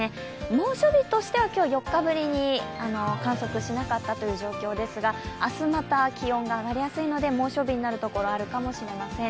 猛暑日としては、今日、４日ぶりに観測しなかったという状況ですが、明日また気温が上がりやすいので、猛暑日になるところがあるかもしれません。